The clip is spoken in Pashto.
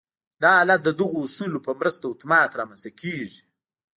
دا حالت د دغو اصولو په مرسته اتومات رامنځته کېږي